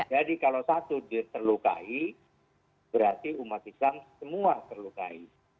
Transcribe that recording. jadi kalau satu terlukai berarti umat islam semua terlukai